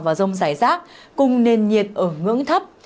và rông rải rác cùng nền nhiệt ở ngưỡng thấp